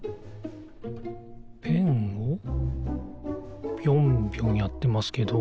ペンをぴょんぴょんやってますけど。